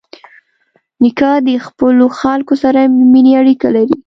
نیکه د خپلو خلکو سره د مینې اړیکه لري.